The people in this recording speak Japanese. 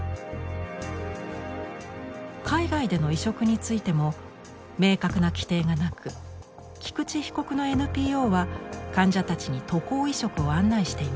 海外での移植についても明確な規定がなく菊池被告のＮＰＯは患者たちに渡航移植を案内していました。